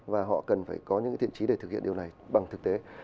và họ cần phải có những thiện trí để thực hiện điều này bằng thực tế